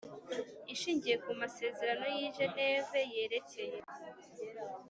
Ishingiye ku masezerano y i geneve yerekeye